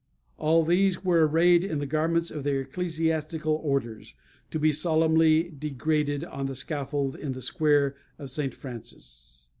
All these were arrayed in the garments of their ecclesiastical orders, to be solemnly degraded on the scaffold in the Square of St. Francis.